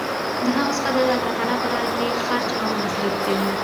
د هغو څخه د الله تعالی په لاره کي خرچ او مصر ف کوي